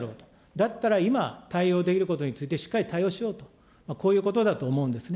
だったら今、対応できることについて、しっかり対応しようと、こういうことだと思うんですね。